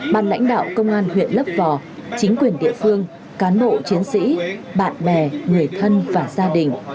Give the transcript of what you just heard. ban lãnh đạo công an huyện lấp vò chính quyền địa phương cán bộ chiến sĩ bạn bè người thân và gia đình